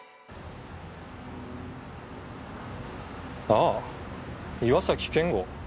あぁ岩崎健吾。